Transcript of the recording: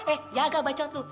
eh jaga bacot lu